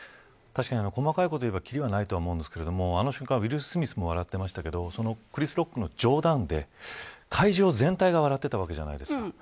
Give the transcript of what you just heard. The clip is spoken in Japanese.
確かに細かいことを言えばきりがないとは思うんですがあの瞬間、ウィル・スミスも笑ってましたけどクリス・ロックの冗談で会場全体が笑ってたわけじゃないですか。